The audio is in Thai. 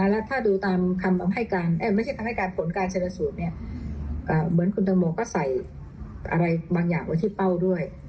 แล้วถ้าดูตามผลการชนสูตรเนี่ยเหมือนคุณตังโมก็ใส่อะไรบางอย่างไว้ที่เป้าด้วย